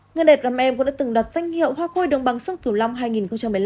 người đẹp nam em cũng đã từng đặt danh hiệu hoa khôi đồng bằng sương kiều long hai nghìn một mươi năm